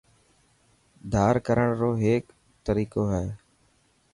ڌار ڪرڻ رو هيڪ طريقو هي.